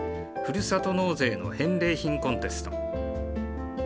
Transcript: ふるさと納税の返礼品コンテスト。